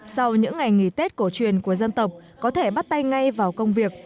sau những ngày nghỉ tết cổ truyền của dân tộc có thể bắt tay ngay vào công việc